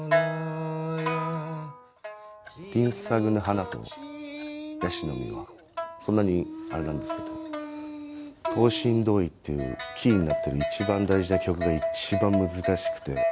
「てぃんさぐぬ花」と「椰子の実」はそんなにあれなんですけど「唐船ドーイ」っていうキーになってる一番大事な曲が一番難しくて。